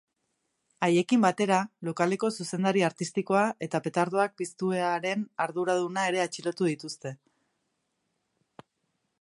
Haiekin batera, lokaleko zuzendari artistikoa eta petardoak piztuearen arduraduna ere atxilotu dituzte.